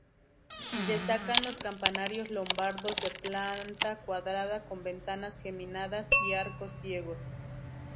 Destacan los campanarios lombardos de planta cuadrada con ventanas geminadas y arcos ciegos.